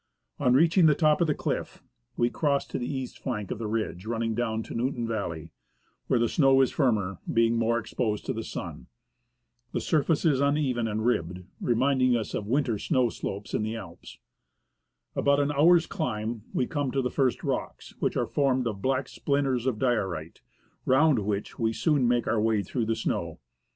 On reaching the top of the cliff, we cross to the east flank of the ridge running down to Newton Valley, where the snow is firmer, being more exposed to the sun. The surface is uneven and ribbed, reminding us of winter snow slopes in the Alps. After about an hour's climb, we come to the first rocks, which are formed of black splinters of diorite, round which we soon make our way through the snow.